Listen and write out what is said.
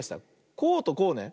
こうとこうね。